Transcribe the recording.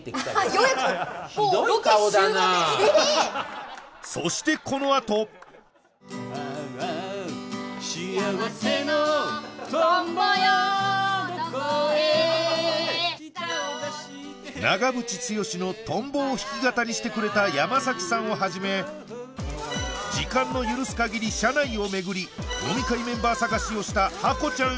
ようやくもうロケ終盤でええっそしてこのあとああしあわせのとんぼよどこへ長渕剛の「とんぼ」を弾き語りしてくれた山崎さんをはじめ時間の許すかぎり社内を巡り飲み会メンバー探しをしたハコちゃん